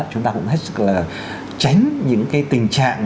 chúng ta cũng hết sức là tránh những cái tình trạng